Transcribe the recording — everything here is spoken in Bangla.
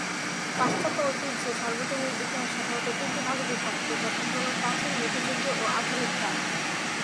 পাশ্চাত্য ঐতিহ্যে সার্বজনীন ইতিহাস সাধারণত তিনটি ভাগে বিভক্ত, যথাক্রমে প্রাচীন, মধ্যযুগীয় ও আধুনিক কাল।